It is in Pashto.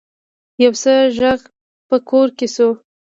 يو څه غږ په کور کې شو.